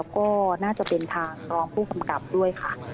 ก็น่าจะเป็นทางรองผู้กำกับด้วยค่ะ